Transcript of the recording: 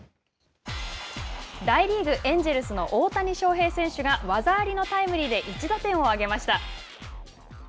大リーグ、エンジェルスの大谷翔平選手が技ありのタイムリーで１打点を挙げました。